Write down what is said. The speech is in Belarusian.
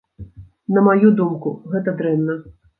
На маю думку, гэта дрэнна.